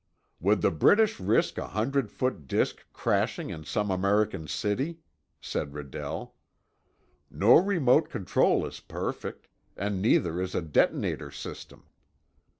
"Would the British risk a hundred foot disk crashing in some American city?" said Redell. "No remote control is perfect, and neither is a detonator system.